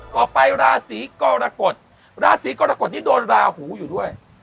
ราศีกรกฎราศีกรกฎนี้โดนราหูอยู่ด้วย